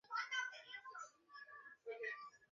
কিছুই তো বুঝতে পারছি না।